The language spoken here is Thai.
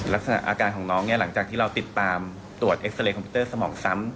ลักษณะอาการของน้องเนี่ยหลังจากที่เราติดตามตรวจเอ็กซาเรย์คอมพิวเตอร์สมองซ้ำ